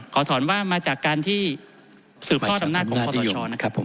ขอถอนว่ามาจากการที่สืบทอดอำนาจของคอปชนะครับผม